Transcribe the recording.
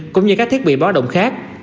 cũng như các thiết bị bó động khác